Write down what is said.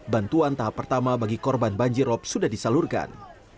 bantuan tahap pertama bagi korban banjirop sudah disalurkan